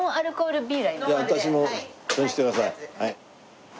じゃあ私もそれにしてください。